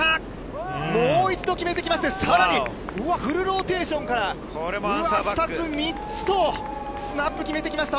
もう一度決めてきましてさらにフルローテーションから２つ３つとスナップを決めてきました。